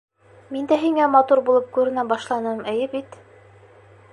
Мин дә һиңә матур булып күренә башланым, эйе бит?